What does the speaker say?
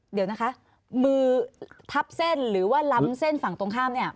เดี๋ยวนะคะมือทับเส้นหรือว่าล้ำเส้นฝั่งตรงข้ามเนี่ย